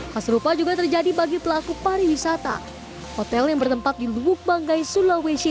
hasrufa juga terjadi bagi pelaku pariwisata hotel yang bertempat di lubuk banggai sulawesi